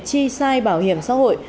chi sai bảo hiểm xã hội